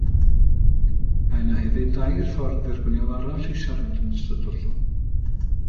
Mae yna hefyd dair ffordd dderbyniol arall i siarad yn ystod dadl.